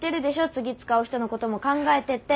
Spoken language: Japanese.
次使う人のことも考えてって。